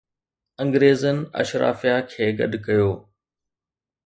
انگريزن اشرافيه کي گڏ ڪيو.